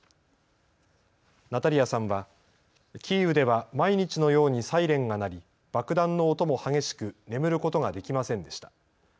ナタリアさんはキーウでは毎日のようにサイレンが鳴り爆弾の音も激しく眠ることができませんでした。